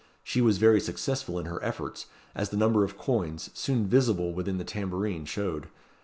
She was very successful in her efforts, as the number of coins, soon visible within the tambourine, showed.